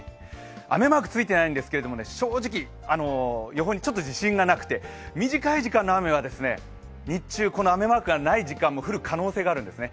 雨マークはついてないんですけど、正直、予報にちょっと自信がなくて、短い時間の雨が日中、この雨マークがない時間も降る可能性があるんですね。